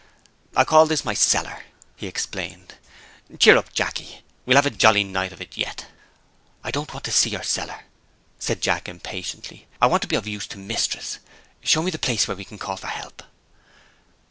"I call this my cellar," he explained. "Cheer up, Jacky; we'll have a jolly night of it yet." "I don't want to see your cellar!" said Jack impatiently. "I want to be of use to Mistress show me the place where we call for help."